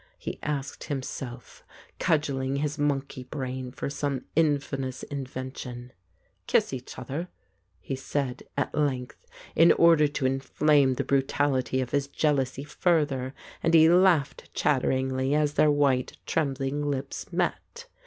he asked himself, cudgelling his monkey brain for some in famous invention. "Kiss each other," he said at length, in order to inflame the brutality of his jealousy further, and he laughed chatteringly, as their white trembling lips met.